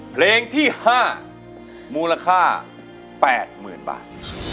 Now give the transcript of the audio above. เพลงที่๕มูลค่า๘๐๐๐บาท